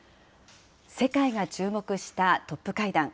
世界が注目したトップ会談。